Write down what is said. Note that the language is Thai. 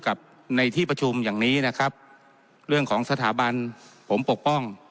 กับในที่ประชุมอย่างนี้นะครับเรื่องของสถาบันผมปกป้อง